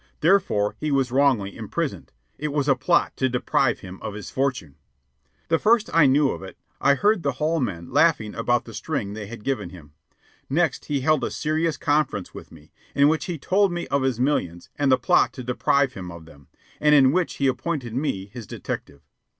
Therefore he was wrongly imprisoned. It was a plot to deprive him of his fortune. The first I knew of it, I heard the hall men laughing about the string they had given him. Next he held a serious conference with me, in which he told me of his millions and the plot to deprive him of them, and in which he appointed me his detective.